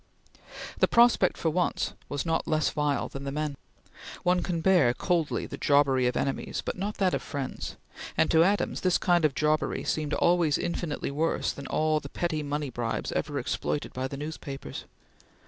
The prospect for once was not less vile than the men. One can bear coldly the jobbery of enemies, but not that of friends, and to Adams this kind of jobbery seemed always infinitely worse than all the petty money bribes ever exploited by the newspapers.